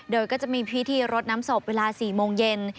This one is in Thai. โดยก็จะมีพิธีรดน้ำศพเวลา๔โมงเย็น